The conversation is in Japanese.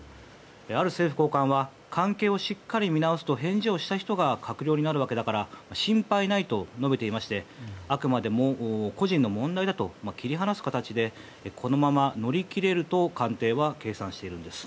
ある政府高官は関係をしっかりを見直すと答えた人が閣僚になるわけだから心配ないと述べていましてあくまでも個人の問題だと切り離す形でこのまま乗り切れると官邸は計算しているんです。